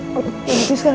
mbak uda mbak uda